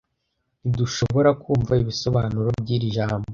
Ntidushoborakumva ibisobanuro by'iri jambo.